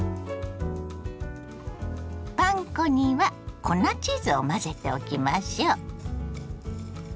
パン粉には粉チーズを混ぜておきましょ。